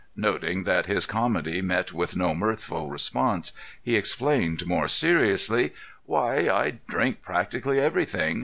Noting that his comedy met with no mirthful response, he explained more seriously: "Why, I drink practically everything.